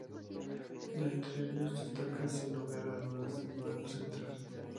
De entre ellos, destaca sin lugar a dudas el vano central.